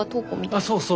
ああそうそう。